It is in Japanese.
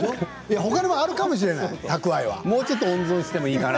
ほかにもあるかもしれない蓄えは。